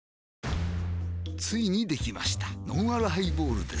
ついにできましたのんあるハイボールです